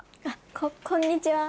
こんにちは。